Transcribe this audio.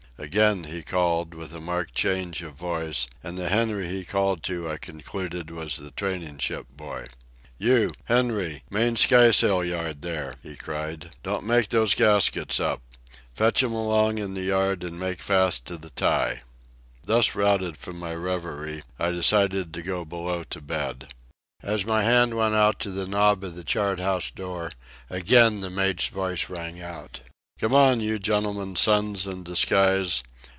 Again he called, with a marked change of voice, and the Henry he called to I concluded was the training ship boy. "You, Henry, main skysail yard, there!" he cried. "Don't make those gaskets up! Fetch 'em in along the yard and make fast to the tye!" Thus routed from my reverie, I decided to go below to bed. As my hand went out to the knob of the chart house door again the mate's voice rang out: "Come on, you gentlemen's sons in disguise!